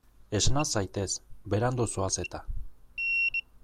Esna zaitez, berandu zoaz eta.